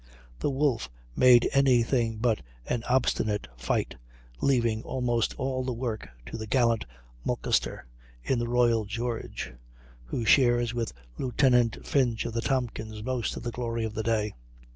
The Wolfe made any thing but an obstinate fight, leaving almost all the work to the gallant Mulcaster, in the Royal George, who shares with Lieutenant Finch of the Tompkins most of the glory of the day.